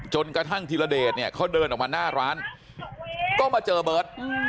จนกระทั่งธีรเดชเนี่ยเขาเดินออกมาหน้าร้านก็มาเจอเบิร์ต